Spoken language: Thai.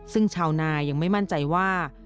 ซึ่งชาวนายังไม่มั่นใจว่า